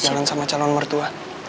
jalan sama calon mertua